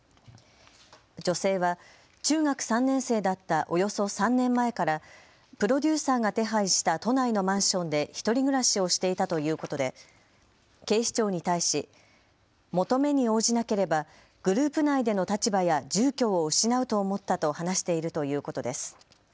女性は中学３年生だったおよそ３年前からプロデューサーが手配した都内のマンションで１人暮らしをしていたということで、警視庁に対し求めに応じなければグループ内での立場や住居を失うと思ったと話しているということです。